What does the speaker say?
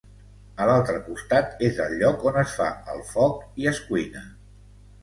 A l'altre costat és el lloc on es fa el foc i es cuina.